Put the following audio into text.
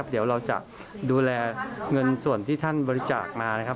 เดี๋ยวเราจะดูแลเงินส่วนที่ท่านบริจาคมานะครับ